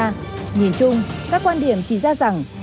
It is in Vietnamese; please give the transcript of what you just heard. nhìn chung các quan điểm chỉ ra rằng